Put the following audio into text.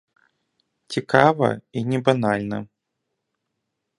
Цікава і не банальна.